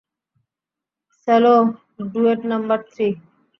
Cello duet number three?